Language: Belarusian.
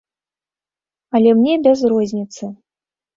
Але мне без розніцы.